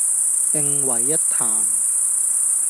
並為一談